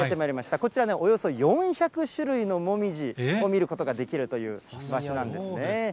こちら、およそ４００種類のもみじを見ることができるという場所なんですね。